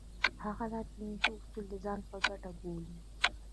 هغه دا پنځه اصول د ځان په ګټه بولي.